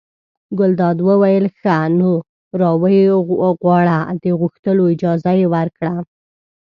ګلداد وویل ښه! نو را ویې غواړه د غوښتلو اجازه یې ورکړه.